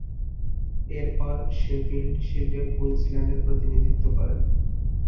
এরপর, শেফিল্ড শিল্ডে কুইন্সল্যান্ডের প্রতিনিধিত্ব করেন তিনি।